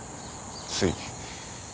つい。